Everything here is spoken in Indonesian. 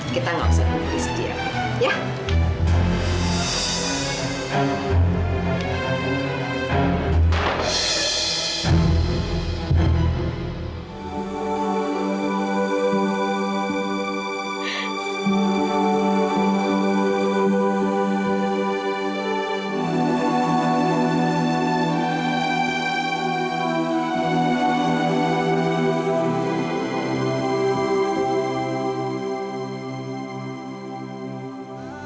kita gak usah nunggu istri aku